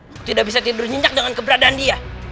dia tidak bisa tidur nyenyak dengan keberadaan dia